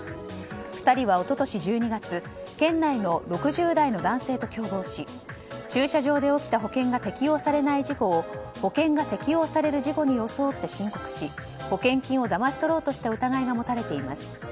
２人は一昨年１２月県内の６０代の男性と共謀し駐車場で起きた保険が適用されない事故を保険が適用される事故に装って申告し保険金をだまし取ろうとした疑いが持たれています。